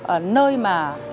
ở nơi mà